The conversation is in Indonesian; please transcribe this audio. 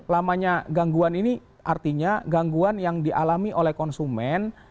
lamanya gangguan ini artinya gangguan yang dialami oleh konsumen